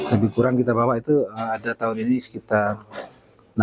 lebih kurang kita bawa itu ada tahun ini sekitar enam puluh dua ton